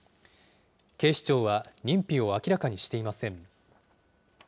警視庁は認否を明らかにしていません。